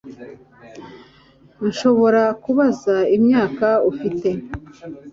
Nshobora kubaza imyaka ufite